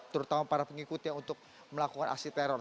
terutama para pengikutnya untuk melakukan aksi teror